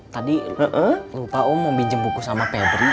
tadi lupa om mau pinjem buku sama febri